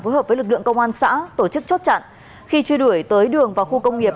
phối hợp với lực lượng công an xã tổ chức chốt chặn khi truy đuổi tới đường và khu công nghiệp